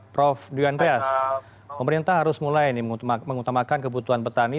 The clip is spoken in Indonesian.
prof andreas pemerintah harus mulai mengutamakan kebutuhan petani